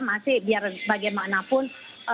masih biar bagaimanapun